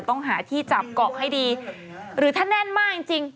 สมัยพี่เด็กนี่คือรถประจำของพี่เลยนะ